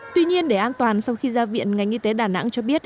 tuy nhiên để an toàn sau khi ra viện ngành y tế đà nẵng cho biết